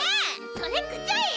それくちゃい！